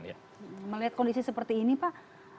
melihat kondisi seperti ini pak